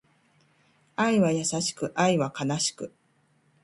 愛は優しく、愛は悲しく